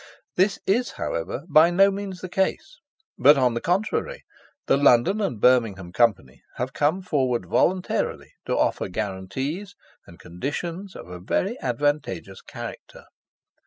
This is, however, by no means the case; but, on the contrary, the London and Birmingham Company have come forward voluntarily to offer guarantees and conditions of a very advantageous character.